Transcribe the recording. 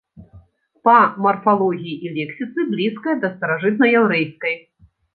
Па марфалогіі і лексіцы блізкая да старажытнаяўрэйскай.